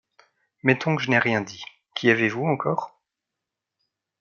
Mettons que je n'ai rien dit. Qui avez-vous encore ?